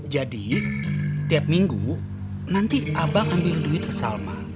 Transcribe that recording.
jadi tiap minggu nanti abang ambil duit ke salma